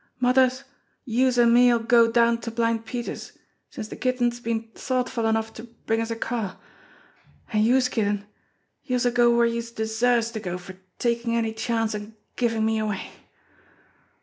'Mother, youse an' me'll go down to Blind Peter's, since de Kitten's been thoughtful enough to bring us a car ; an' youse, Kitten, youse'll go where youse deserves to go for takin' any chance on givin' me away.'